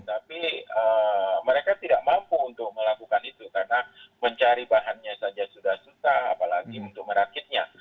tapi mereka tidak mampu untuk melakukan itu karena mencari bahannya saja sudah susah apalagi untuk merakitnya